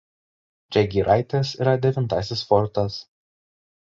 Prie Giraitės yra Devintasis fortas.